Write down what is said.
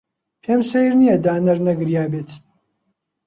پێم سەیر نییە دانەر نەگریابێت.